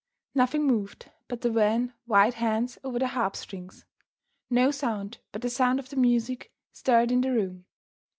Nothing moved but the wan, white hands over the harp strings; no sound but the sound of the music stirred in the room.